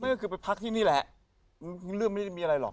นั่นก็คือไปพักที่นี่แหละเรื่องไม่ได้มีอะไรหรอก